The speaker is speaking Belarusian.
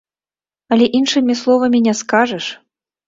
Але іншымі словамі не скажаш.